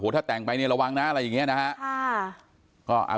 ถ้าแต่งไปเนี่ยระวังนะอะไรอย่างนี้นะฮะ